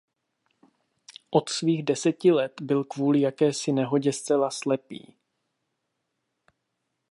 Od svých deseti let byl kvůli jakési nehodě zcela slepý.